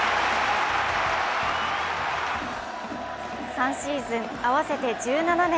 ３シーズン合わせて１７年。